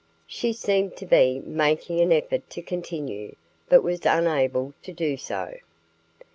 She seemed to be making an effort to continue, but was unable to do so.